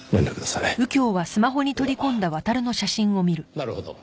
なるほど。